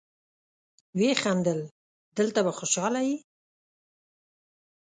ويې خندل: دلته به خوشاله يې.